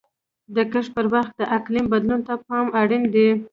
د کښت پر وخت د اقلیم بدلون ته پام اړین دی.